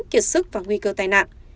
kiệt sức và nguy cơ tài nạn